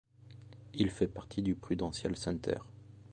Il fait partie du Prudential Center.